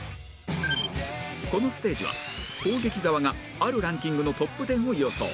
このステージは攻撃側があるランキングのトップ１０を予想